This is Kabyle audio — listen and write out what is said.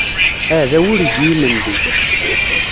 Aɛdaw ur igi imendi.